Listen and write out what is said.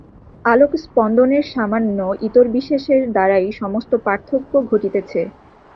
আলোক-স্পন্দনের সামান্য ইতরবিশেষের দ্বারাই সমস্ত পার্থক্য ঘটিতেছে।